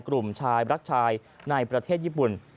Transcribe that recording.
กลุ่มชายรักชายในประเทศญี่ปุ่น